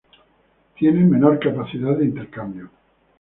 Tienen menor capacidad de intercambio.